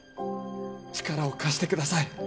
力を貸してください！